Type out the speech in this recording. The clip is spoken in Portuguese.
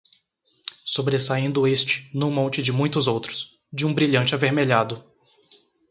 sobressaindo este num monte de muitos outros, de um brilhante avermelhado